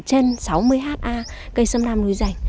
trên sáu mươi ha cây sâm nam núi rành